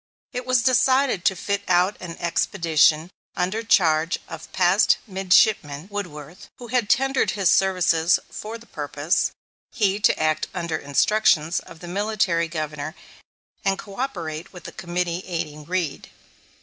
It was decided to fit out an expedition, under charge of Past Midshipman Woodworth, who had tendered his services for the purpose, he to act under instructions of the Military Governor and coöperate with the committee aiding Reed.